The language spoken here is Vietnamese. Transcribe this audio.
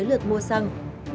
tới lượt mua xăng